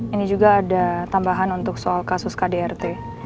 ini juga ada tambahan untuk soal kasus kdrt